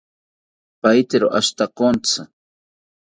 Pahitero ashitakontzi